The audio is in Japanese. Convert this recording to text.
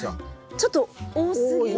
ちょっと多すぎますね。